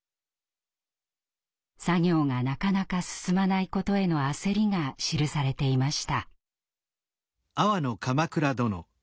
作業がなかなか進まないことへの焦りが記されていました。